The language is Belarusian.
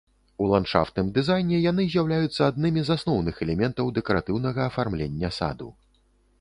У ландшафтным дызайне яны з'яўляюцца аднымі з асноўных элементаў дэкаратыўнага афармлення саду.